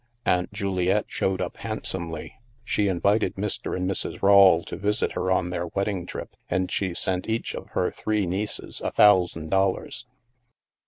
Aunt Juliette showed up handsomely. She invited Mr. and Mrs. Rawle to visit her on their wedding trip, and she sent each of her three nieces a thousand dollars.